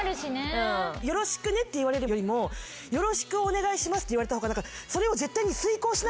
「よろしくね」って言われるよりも「よろしくお願いします」って言われた方がそれを。